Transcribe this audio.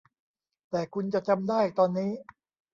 แต่คุณจะจำได้ตอนนี้